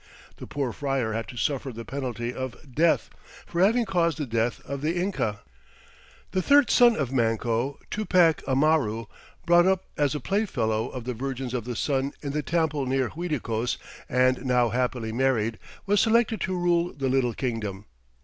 The poor friar had to suffer the penalty of death "for having caused the death of the Inca." The third son of Manco, Tupac Amaru, brought up as a playfellow of the Virgins of the Sun in the Temple near Uiticos, and now happily married, was selected to rule the little kingdom.